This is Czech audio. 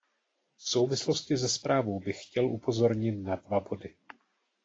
V souvislosti se zprávou bych chtěl upozornit na dva body.